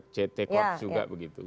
ct corp juga begitu